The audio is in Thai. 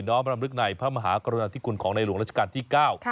น้อบรรมฤทธิ์ไหนพระมหากรณาธิกุลของนายหลวงรัชกาลที่๙